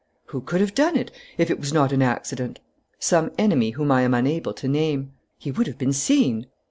"Who could have done it, if it was not an accident?" "Some enemy whom I am unable to name." "He would have been seen."